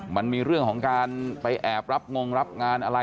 มันมีเรื่องของการไปแอบรับงงรับงานอะไร